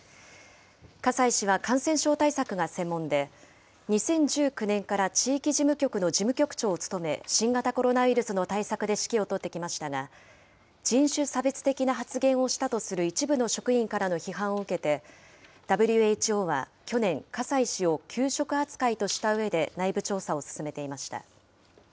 葛西氏は、感染症対策が専門で、２０１９年から地域事務局の事務局長を務め、新型コロナウイルスの対策で指揮を執ってきましたが、人種差別的な発言をしたとする一部の職員からの批判を受けて、ＷＨＯは去年、葛西氏を休職扱いとしたうえで、内部調査を進めていました。